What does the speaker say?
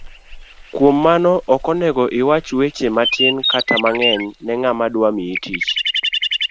Kuom mano, okonego iwach weche matin kata mang'eny ne ng'ama dwami tich.